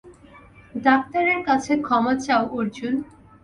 ডাক্তারের কাছে ক্ষমা চাও, অর্জুন!